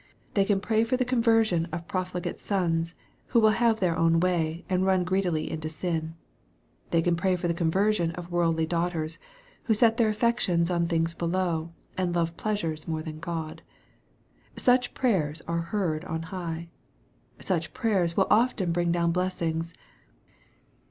They can pray for the conversion of profligate sons, who will have their own way, and run greedily into sin. They can pray for the conversion of worldly daughters, who set their affections on things below, and love pleasure more than God. Such prayers are heard on high. Such prayers will often bring down blessings.